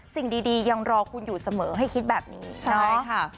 สิ่งดียังรอคุณอยู่เสมอให้คิดแบบนี้ใช่ค่ะ